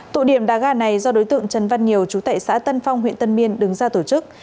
tụ điểm đá gà này do đối tượng trần văn nhiều chú tệ xã tân phong huyện tân biên đứng ra tổ chức